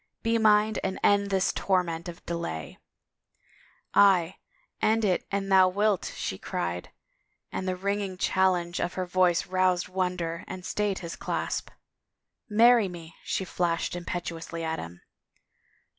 Be mine and end this torment of delay !"" Aye, end it an thou wilt," she cried, and the ringing challenge of her voice roused wonder and stayed his clasp. " Marry me !" she flashed imperiously at him.